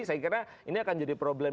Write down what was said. saya kira ini akan jadi problem